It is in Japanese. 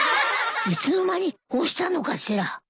いつの間に押したのかしら？